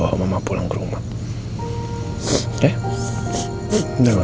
hanya orang pilihan allah